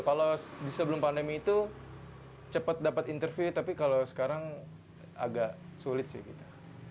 kalau di sebelum pandemi itu cepat dapat interview tapi kalau sekarang agak sulit sih kita